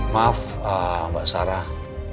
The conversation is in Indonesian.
maaf mbak sarah